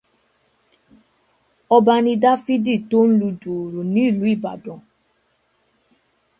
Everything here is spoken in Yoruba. Ọba ni Dáfídì tó ń lu dùùrù nílùú Ìbàdàn.